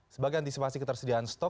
sebagai antisipasi ketersediaan stok